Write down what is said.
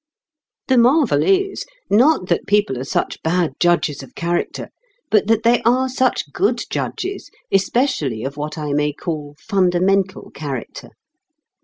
The marvel is, not that people are such bad judges of character, but that they are such good judges, especially of what I may call fundamental character.